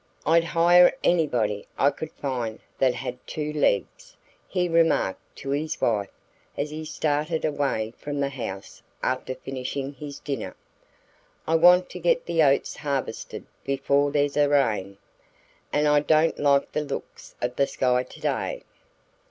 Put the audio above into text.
"I'd hire anybody I could find that had two legs," he remarked to his wife as he started away from the house after finishing his dinner. "I want to get the oats harvested before there's a rain. And I don't like the looks of the sky to day."